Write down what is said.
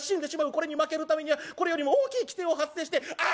これに負けぬためにはこれよりも大きい奇声を発声してあ！」。